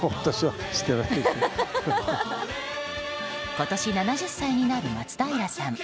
今年７０歳になる松平さん。